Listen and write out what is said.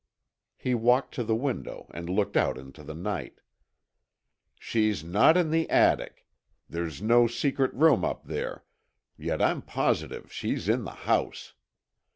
He walked to the window and looked out into the night. "She's not in the attic. There's no secret room up there; yet I'm positive she's in the house.